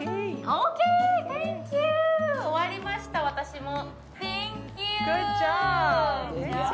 終わりました、私も。